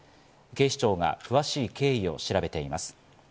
警視庁が詳しい経緯を調べています。